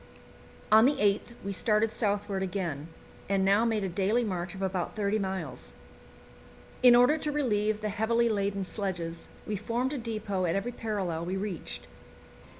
On the 8th we started southward again, and now made a daily march of about thirty miles. In order to relieve the heavily laden sledges, we formed a depot at every parallel we reached.